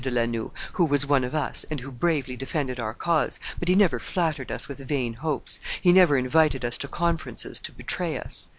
de La Noue, who was one of us, and who bravely defended our cause; but he never flattered us with vain hopes, he never invited us to conferences to betray us."